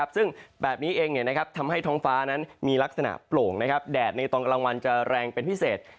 ซึ่งแบบนี้เองทำให้ท้องฟ้านั้นมีลักษณะโปร่งแดดในตอนกลางวันจะแรงเป็นพิเศษ